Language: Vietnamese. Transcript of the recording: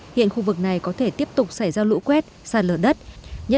hiện khu vực này có thể tiếp tục xảy ra lũ quét sạt lở đất nhất là những đợt bão sắp tới